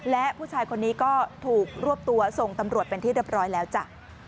และผู้ชายคนนี้ก็ถูกรวบตัวส่งตำรวจเป็นที่เรียบร้อยแล้วจ้ะ